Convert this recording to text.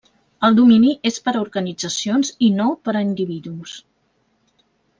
El domini és per a organitzacions i no per a individus.